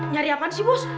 nyari apaan sih bos